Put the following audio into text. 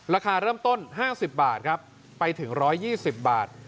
ราคาเริ่มต้น๕๐บาทครับไปถึง๑๒๐บาท